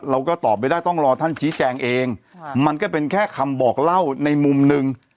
เราก็ตอบไม่ได้ต้องรอท่านชี้แจงเองมันก็เป็นแค่คำบอกเล่าในมุมหนึ่ง